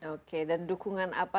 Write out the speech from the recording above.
oke dan dukungan apa